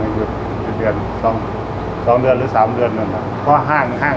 สวัสดีครับผมชื่อสามารถชานุบาลชื่อเล่นว่าขิงถ่ายหนังสุ่นแห่ง